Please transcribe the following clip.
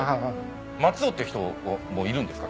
松尾って人もいるんですか？